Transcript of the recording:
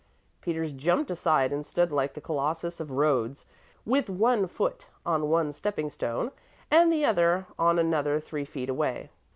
Peters jumped aside, and stood like the Colossus of Rhodes, with one foot on one stepping stone, and the other on another three feet away.